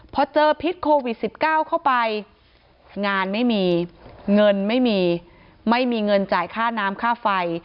พอเจอพิษโควิด๑๙เข้าไปงานไม่มีเงินไม่มีไม่มีเงินจ่ายค่าน้ำค่าไฟ